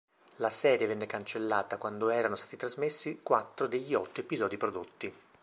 La serie venne cancellata quando erano stati trasmessi quattro degli otto episodi prodotti.